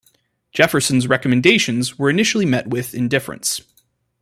Jefferson's recommendations were initially met with indifference.